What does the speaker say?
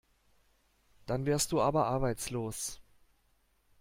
Dann wärst du aber arbeitslos.